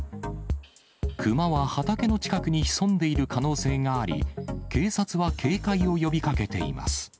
クマは畑の近くに潜んでいる可能性があり、警察は警戒を呼びかけています。